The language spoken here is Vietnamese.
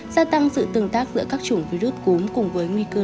gia tăng sự tương tác giữa các chủng virus cúm cùng với nguy cơ